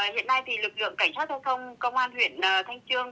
hiện nay thì lực lượng cảnh sát giao thông công an huyện thanh trương